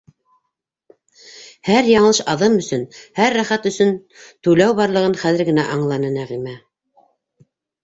Һәр яңылыш аҙым өсөн, һәр рәхәт өсөн түләү барлығын хәҙер генә аңланы Нәғимә...